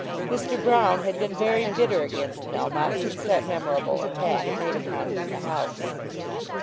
Mr. Brown had been very bitter against Melmotte since that memorable attack made upon him in the House.